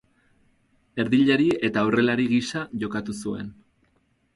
Erdilari eta aurrelari gisa jokatu zuen.